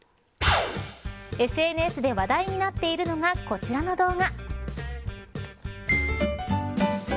ＳＮＳで話題になっているのがこちらの動画。